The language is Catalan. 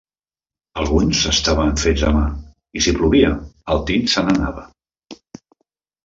Alguns estaven fets a mà i si plovia, el tint se n'anava.